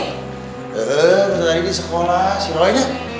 iya udah dari di sekolah si roy nya